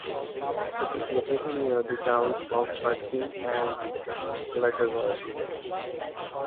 It is located near the towns of Rugby and Lutterworth.